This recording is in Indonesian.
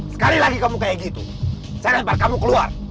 sekali lagi kamu kayak gitu saya lempar kamu keluar